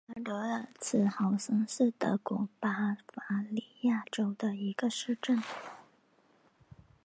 阿德尔茨豪森是德国巴伐利亚州的一个市镇。